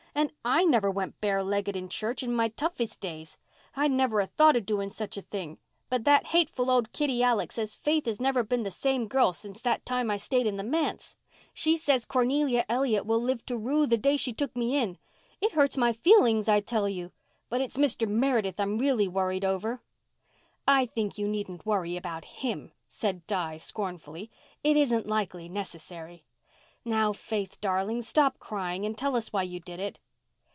And I never went bare legged in church in my toughest days. I'd never have thought of doing such a thing. But that hateful old Kitty Alec says Faith has never been the same girl since that time I stayed in the manse. She says Cornelia Elliott will live to rue the day she took me in. It hurts my feelings, I tell you. But it's Mr. Meredith I'm really worried over." "I think you needn't worry about him," said Di scornfully. "It isn't likely necessary. Now, Faith darling, stop crying and tell us why you did it."